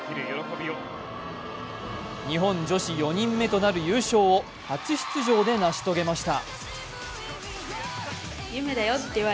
日本女子４人目となる優勝を初出場で成し遂げました。